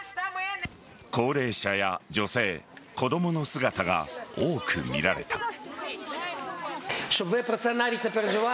高齢者や女性、子供の姿が多く見られた。